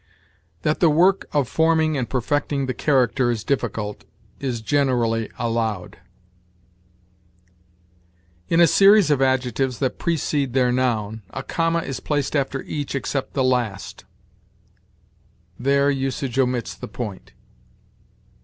"That the work of forming and perfecting the character is difficult, is generally allowed." In a series of adjectives that precede their noun, a comma is placed after each except the last; there usage omits the point.